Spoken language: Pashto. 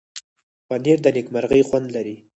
پنېر د نېکمرغۍ خوند لري.